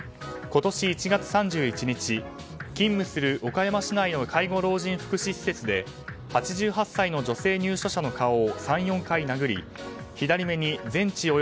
今年１月３１日勤務する岡山市内の介護老人福祉施設で８８歳の女性入所者の顔を３４回殴り左目に全治